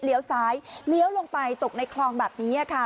ซ้ายเลี้ยวลงไปตกในคลองแบบนี้ค่ะ